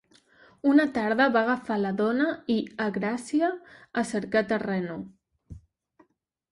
Una tarda va agafar la dòna, i a Gracia, a cercar terreno.